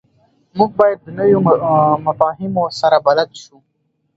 موږ باید د نویو مفاهیمو سره بلد شو.